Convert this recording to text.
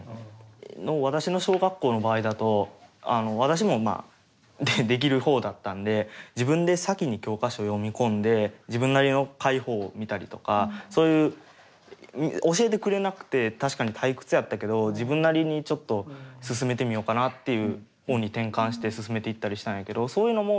私の小学校の場合だと私もまあできる方だったんで自分で先に教科書読み込んで自分なりの解法を見たりとかそういう教えてくれなくて確かに退屈やったけど自分なりにちょっと進めてみようかなっていう方に転換して進めていったりしたんやけどそういうのもできなかったの？